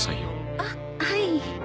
あっはい。